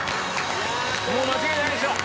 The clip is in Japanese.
もう間違いないでしょう。